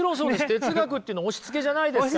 哲学っていうのは押しつけじゃないですから。